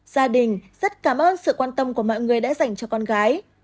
gia đình rất cảm ơn sự quan tâm của mọi người đã dành cho con gái